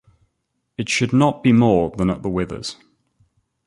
It should not be more than at the withers.